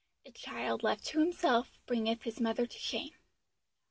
"A child left to himself bringeth his mother to shame."